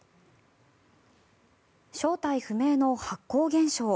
正体不明の発光現象。